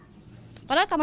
padahal kamar sebelahnya